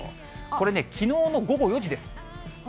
これね、きのうの午後４時です。